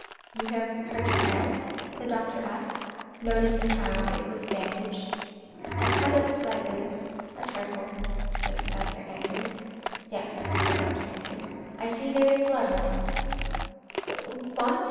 "You have hurt your hand?" the doctor asked, noticing how it was bandaged. "I cut it slightly a trifle," the Professor answered. "Yes," the doctor answered, "I see there is blood on it." "What?"